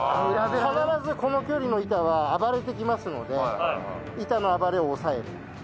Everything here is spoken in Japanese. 必ずこの距離の板は暴れてきますので板の暴れを抑える。